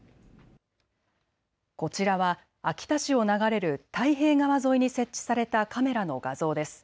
こちらは秋田市を流れる太平川沿いに設置されたカメラの画像です。